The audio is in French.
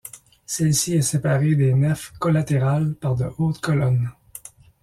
Celle-ci est séparée des nefs collatérales par de hautes colonnes.